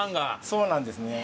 そうなんですね。